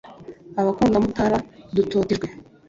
Abakunda Mutara dutotejwe